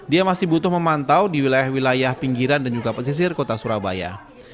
dia masih butuh memantau di wilayah wilayah pinggiran dan juga pesisir kota surabaya